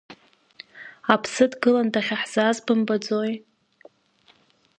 Аԥсы дгыланы дахьаҳзааз бымбаӡои?!